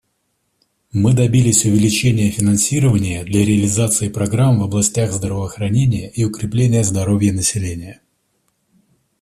Мы добились увеличения финансирования для реализации программ в областях здравоохранения и укрепления здоровья населения.